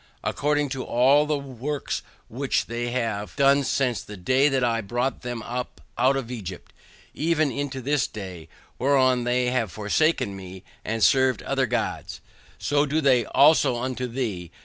ACCORDING TO ALL THE WORKS WHICH THEY HAVE DONE SINCE THE DAY THAT I BROUGHT THEM UP OUT OF EGYPT, EVEN UNTO THIS DAY; WHEREWITH THEY HAVE FORSAKEN ME AND SERVED OTHER GODS; SO DO THEY ALSO UNTO THEE.